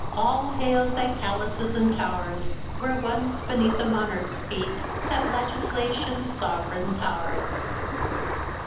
All hail thy palaces and tow'rs, Where once, beneath a monarch's feet, Sat legislation's sov'reign pow'rs!"